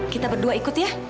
kita berdua ikut ya